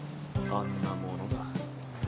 あんなものだ。